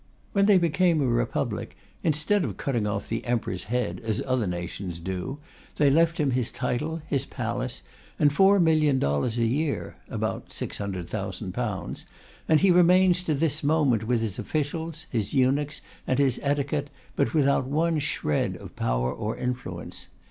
When they became a Republic, instead of cutting off the Emperor's head, as other nations do, they left him his title, his palace, and four million dollars a year (about £600,000), and he remains to this moment with his officials, his eunuchs and his etiquette, but without one shred of power or influence.